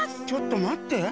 ちょっとまって。